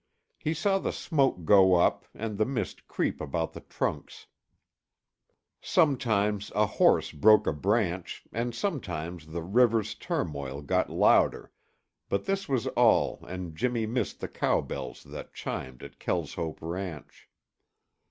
He saw the smoke go up and the mist creep about the trunks. Sometimes a horse broke a branch and sometimes the river's turmoil got louder, but this was all and Jimmy missed the cow bells that chimed at Kelshope ranch.